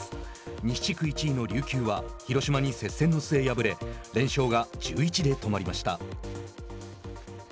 西地区１位の琉球は広島に接戦の末敗れ連勝が１１で止まりました。